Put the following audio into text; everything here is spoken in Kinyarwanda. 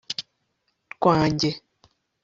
rwanjye